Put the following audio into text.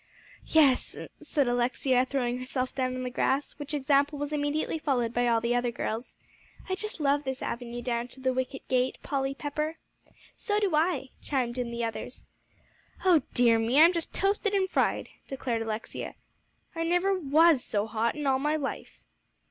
"Yes," said Alexia, throwing herself down on the grass; which example was immediately followed by all the other girls. "I just love this avenue down to the wicket gate, Polly Pepper." "So do I," chimed in the others. "Oh dear me! I'm just toasted and fried," declared Alexia. "I never was so hot in all my life."